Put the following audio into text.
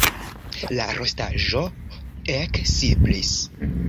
La rostaĵo eksiblis.